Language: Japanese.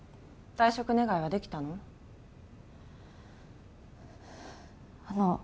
退職願はできたの？